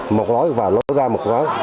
một lối và lối ra một lối